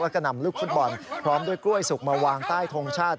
แล้วก็นำลูกฟุตบอลพร้อมด้วยกล้วยสุกมาวางใต้ทงชาติ